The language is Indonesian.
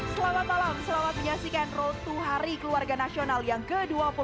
selamat malam selamat menyaksikan road to hari keluarga nasional yang ke dua puluh dua